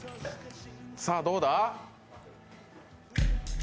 さあ、どうだ？